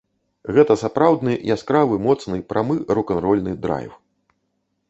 Гэта сапраўдны яскравы, моцны, прамы рок-н-рольны драйв.